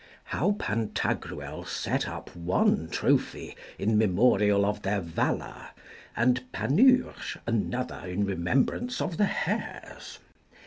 How Pantagruel set up one trophy in memorial of their valour, and Panurge another in remembrance of the hares.